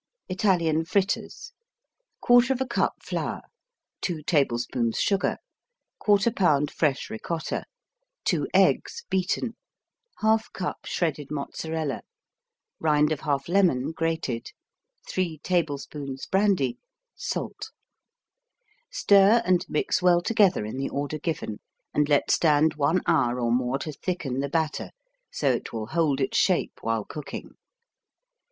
Italian Fritters 1/4 cup flour 2 tablespoons sugar 1/4 pound fresh Ricotta 2 eggs, beaten 1/2 cup shredded Mozzarella Rind of 1/2 lemon, grated 3 tablespoons brandy Salt Stir and mix well together in the order given and let stand 1 hour or more to thicken the batter so it will hold its shape while cooking.